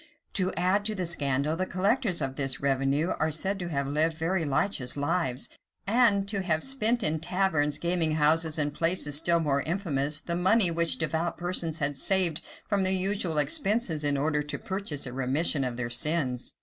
[*] To add to the scandal, the collectors of this revenue are said to have lived very licentious lives, and to have spent in taverns, gaming houses, and places still more infamous, the money which devout persons had saved from their usual expenses, in order to purchase a remission of their sins.